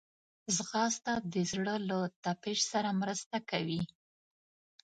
ځغاسته د زړه له تپش سره مرسته کوي